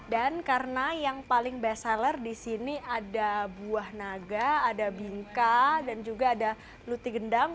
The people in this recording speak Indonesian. dan karena yang paling best seller di sini ada buah naga ada bingkai dan juga ada luti gendang